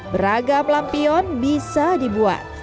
beragam lampion bisa dibuat